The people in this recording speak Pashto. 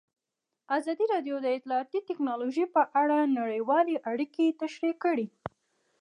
ازادي راډیو د اطلاعاتی تکنالوژي په اړه نړیوالې اړیکې تشریح کړي.